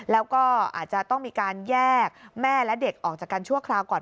แล้วก็อาจจะต้องมีการแยกแม่และเด็กออกจากกันชั่วคราวก่อน